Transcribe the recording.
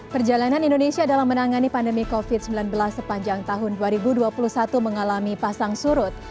perjalanan indonesia dalam menangani pandemi covid sembilan belas sepanjang tahun dua ribu dua puluh satu mengalami pasang surut